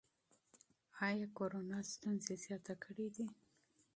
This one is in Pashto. ایا کورونا ستونزې زیاتې کړي دي؟